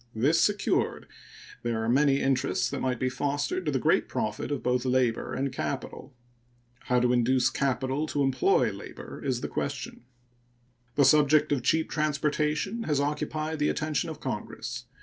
This secured, there are many interests that might be fostered to the great profit of both labor and capital. How to induce capital to employ labor is the question. The subject of cheap transportation has occupied the attention of Congress.